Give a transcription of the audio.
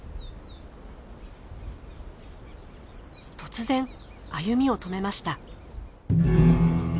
突然歩みを止めました。